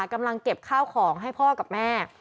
กำลังเก็บข้าวของให้พ่อกับแม่